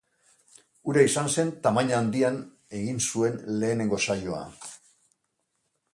Hura izan zen tamaina handian egin zuen lehenengo saioa.